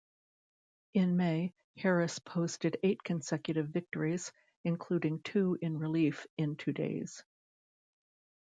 In May, Harris posted eight consecutive victories, including two in relief in two days.